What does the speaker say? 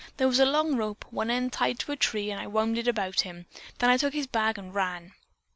There was a long rope, one end tied to a tree, and I wound it about him, then I took his bag and ran."